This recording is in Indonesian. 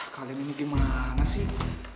kalian ini gimana sih